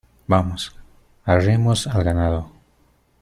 Vamos, arreemos al ganado.